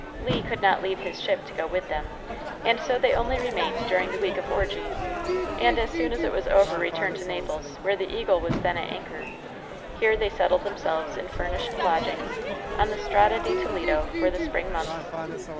Le could not leave his ship to go with them, and so they only remained dur ing the week of orgies, and as soon as it was over re turned to Naples, where the Eagle was then at anchor. Here they settled themselves in furnished lodgings, on the Strada di Toledo, for the spring months.